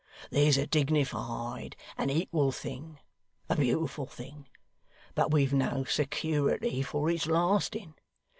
There's a dignified and equal thing; a beautiful thing! But we've no security for its lasting.